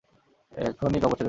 এখনই কাপড় ছেড়ে এসো।